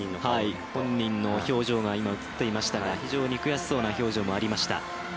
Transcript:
本人の表情が映っていましたが非常に悔しそうな表情もありました。